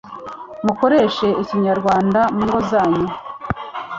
mukoreshe Ikinyarwanda mu ngo zanyu